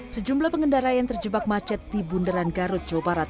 sejumlah pengendara yang terjebak macet di bundaran garut jawa barat